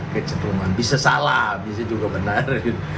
kecentruman bisa salah bisa juga benar